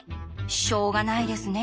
しょうがないですね。